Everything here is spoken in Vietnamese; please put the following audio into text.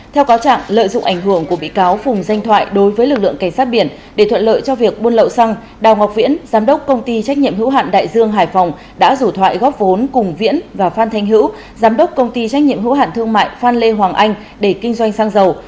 theo cáo trạng lợi dụng ảnh hưởng của bị cáo phùng danh thoại đối với lực lượng cảnh sát biển để thuận lợi cho việc buôn lậu xăng đào ngọc viễn giám đốc công ty trách nhiệm hữu hạn đại dương hải phòng đã rủ thoại góp vốn cùng viễn và phan thanh hữu giám đốc công ty trách nhiệm hữu hạn thương mại phan lê hoàng anh để kinh doanh xăng dầu